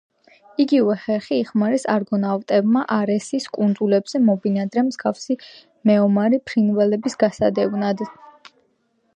იგივე ხერხი იხმარეს არგონავტებმა არესის კუნძულზე მობინადრე მსგავსი მეომარი ფრინველების გასადევნად.